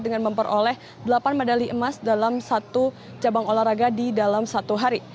jadi kita berhasil memperoleh delapan medali emas dalam satu cabang olahraga di dalam satu hari